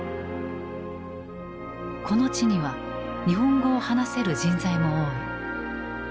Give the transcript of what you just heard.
この地には日本語を話せる人材も多い。